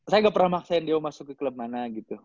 saya gak pernah maksain dia masuk ke klub mana gitu